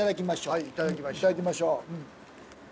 はいいただきましょう。